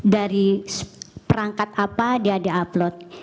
dari perangkat apa dia ada upload